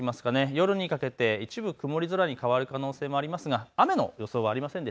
夜にかけて一部曇り空に変わる可能性もありますが雨の予想はありません。